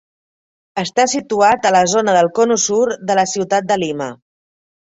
Està situat a la zona del Cono Sur de la ciutat de Lima.